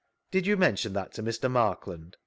Did you mention that to Mr. Markland ?